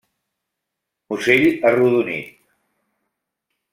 Musell arrodonit.